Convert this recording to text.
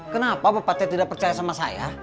kenapa bapaknya tidak percaya sama saya